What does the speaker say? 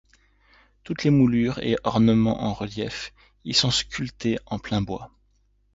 Toutes les moulures et ornements en relief y sont sculptés en plein bois.